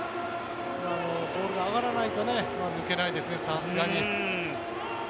ボールが上がらないと抜けないですね、さすがに。